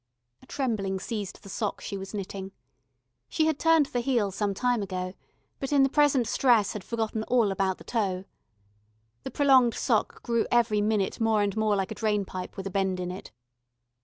A trembling seized the sock she was knitting. She had turned the heel some time ago, but in the present stress had forgotten all about the toe. The prolonged sock grew every minute more and more like a drain pipe with a bend in it.